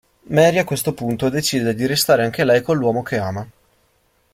Mary, a questo punto, decide di restare anche lei con l'uomo che ama.